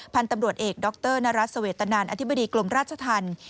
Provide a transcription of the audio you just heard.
พันธุ์ตำรวจเอกดรนรัฐเสวตนานอธิบดีกรมราชธรรม